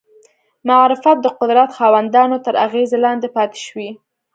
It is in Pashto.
معرفت د قدرت خاوندانو تر اغېزې لاندې پاتې شوی